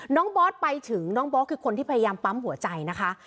บอสไปถึงน้องบอสคือคนที่พยายามปั๊มหัวใจนะคะ